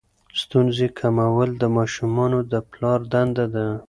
ستونزې کمول د ماشومانو د پلار دنده ده.